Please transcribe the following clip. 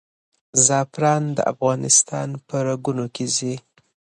زعفران د افغانستان په رګونو کې ځي.